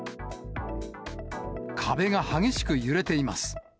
壁が激しく揺れています。